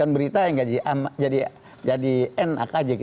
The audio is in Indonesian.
berita yang jadi enak aja